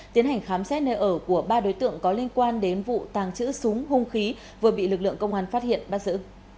tiến hành khám xét nơi ở của ba đối tượng có liên quan đến vụ tàng trữ súng hung khí vừa bị lực lượng công an phát hiện bắt giữ